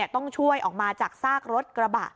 ต้องช่วยออกมาจากซากรถกระบะ